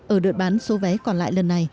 ở đợt bán số vé còn lại lần này